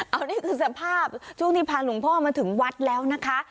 อันนี้คือสภาพช่วงที่พาหลวงพ่อมาถึงวัดแล้วนะคะ